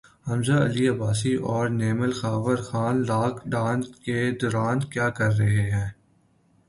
حمزہ علی عباسی اور Nimal Khawar Khan lockdown کے دوران کیا کررہے ہیں